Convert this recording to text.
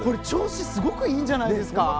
調子、すごくいいんじゃないですか。